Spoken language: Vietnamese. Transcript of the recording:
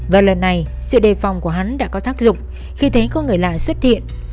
và lần này sự đề phòng của hắn đã có thác dụng khi thấy có người lại xuất hiện